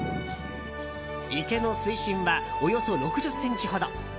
池の水深はおよそ６０ｃｍほど。